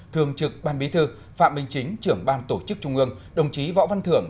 thường trực ban bí thư phạm minh chính trưởng ban tổ chức trung ương đồng chí võ văn thưởng